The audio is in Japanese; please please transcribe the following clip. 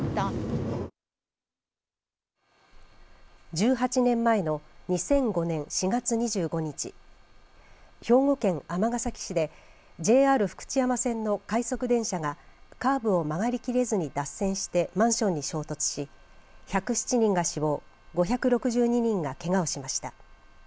１８年前の２００５年４月２５日兵庫県尼崎市でＪＲ福知山線の快速電車がカーブを曲がりきれずに脱線してマンションに衝突し１０７人が死亡５６２人がけがをしました。